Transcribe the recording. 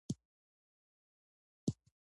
شي پسې مړاوی